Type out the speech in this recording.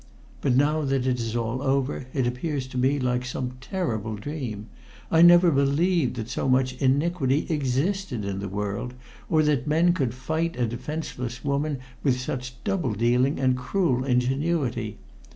But now that all is over it appears to me like some terrible dream. I never believed that so much iniquity existed in the world, or that men could fight a defenseless woman with such double dealing and cruel ingenuity.